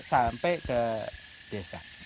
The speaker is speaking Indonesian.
sampai ke desa